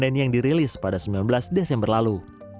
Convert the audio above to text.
kedai kopi yang terkini dikirimkan pada sembilan belas desember lalu